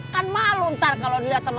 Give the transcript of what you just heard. kan malu ntar kalo diliat sama